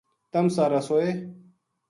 تم سارا سوئے